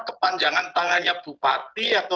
kepanjangan tangannya bupati atau